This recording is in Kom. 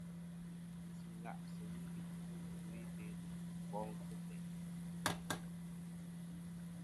Ngvɨsɨ ila' sɨ ghɨ ɨwe i Belo bol kɨ teyn ɨkwo.